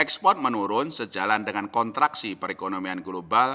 ekspor menurun sejalan dengan kontraksi perekonomian global